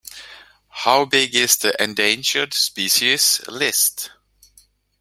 How big is the Endangered Species List?